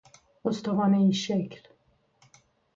استوانه ای شکل